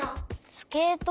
スケート？